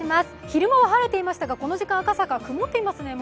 昼間は晴れていましたが、この時間赤坂曇っていますね。